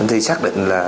anh thì xác định là